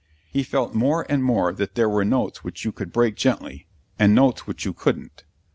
He felt more and more that there were notes which you could break gently, and notes which you couldn't.